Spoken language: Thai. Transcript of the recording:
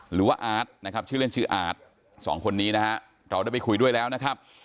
อาร์ตนะครับชื่อเล่นชื่ออาร์ตสองคนนี้นะฮะเราได้ไปคุยด้วยแล้วนะครับ